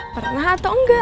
pernah atau enggak